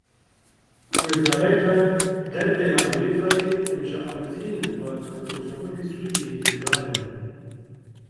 Wezareta Derve ya Amerîkayê, em ji aloziyên li bakurê rojavayê Sûriyeyê dilgiran in.